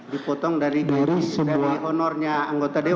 dipotong dari honornya anggota dewan